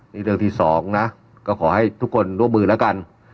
นี่เรื่องที่สองนะก็ขอให้ทุกคนร่วมมือแล้วกัน